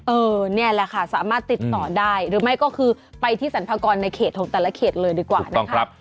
นี่แหละค่ะสามารถติดต่อได้หรือไม่ก็คือไปที่สรรพากรในเขตของแต่ละเขตเลยดีกว่านะครับ